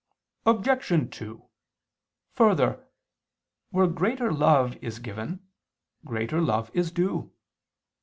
Obj. 2: Further, where greater love is given, greater love is due.